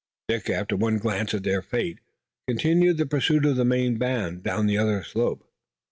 Dick, after one glance at their fate, continued the pursuit of the main band down the other slope.